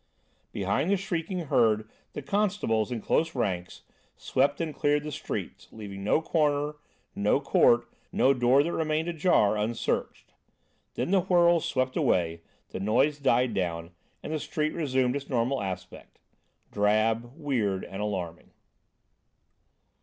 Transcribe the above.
Behind the shrieking herd the constables, in close ranks, swept and cleared the street, leaving no corner, no court, no door that remained ajar unsearched. Then the whirl swept away, the noise died down, and the street resumed its normal aspect: drab, weird and alarming.